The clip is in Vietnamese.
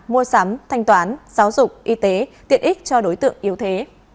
mua sắm thanh toán giáo dục y tế tiện ích cho đối tượng yếu thế